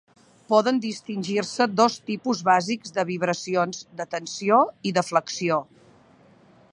Poden distingir-se dos tipus bàsics de vibracions: de tensió i de flexió.